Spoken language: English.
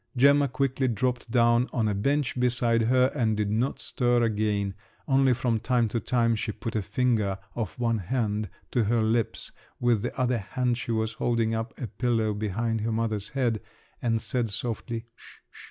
Gemma quickly dropped down on a bench beside her and did not stir again, only from time to time she put a finger of one hand to her lips—with the other hand she was holding up a pillow behind her mother's head—and said softly, "sh sh!"